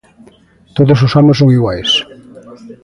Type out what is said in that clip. Todos os homes son iguais.